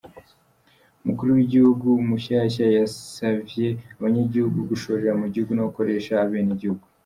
Umukuru w'igihugu mushasha yasavye abanyagihugu gushorera mu gihugu no gukoresha abenegihugu.